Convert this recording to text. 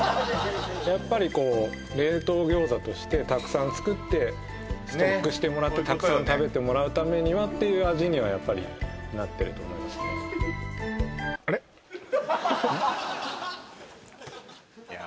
やっぱりこう冷凍餃子としてたくさん作ってストックしてもらってたくさん食べてもらうためにはっていう味にはやっぱりなってると思いますねうん？